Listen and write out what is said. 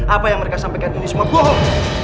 apa yang mereka sampaikan ini semua bohong